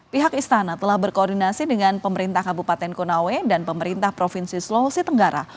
pihak istana telah berkoordinasi dengan pemerintah kabupaten konawe dan pemerintah provinsi sulawesi tenggara